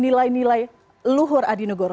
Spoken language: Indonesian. nilai nilai luhur adi negoro